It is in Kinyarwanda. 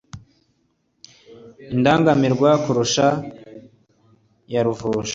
Indangamirwa kuvusha ya ruvusha